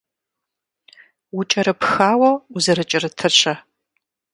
УкӀэрыпхауэ узэрыкӀэрытыр-щэ?